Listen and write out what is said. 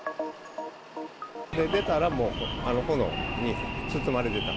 出たら、もう炎に包まれてた。